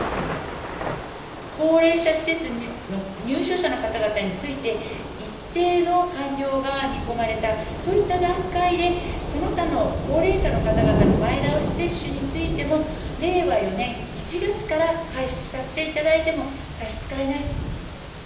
高齢者施設の入所者の方々について、一定の完了が見込まれた、そういった段階でその他の高齢者の方々の前倒し接種についても、令和４年１月から開始させていただいても差し支えない。